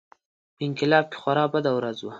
په انقلاب کې خورا بده ورځ وه.